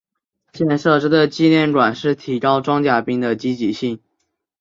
建造这个纪念馆是提高装甲兵的积极性。